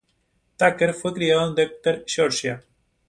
Tucker fue criado en Decatur, Georgia.